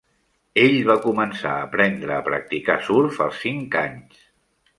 Ell va començar a aprendre a practicar surf als cinc anys.